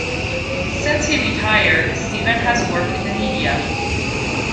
Since he retired, Steven has worked in the media.